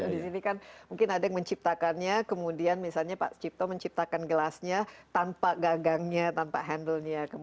di sini kan mungkin ada yang menciptakannya kemudian misalnya pak cipto menciptakan gelasnya tanpa gagangnya tanpa handle nya